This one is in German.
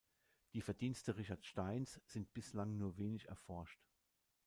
Die Verdienste Richard Steins sind bislang nur wenig erforscht.